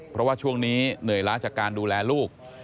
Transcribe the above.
เพราะว่าช่วงนี้เหนื่อยล้าจากการดูแลลูก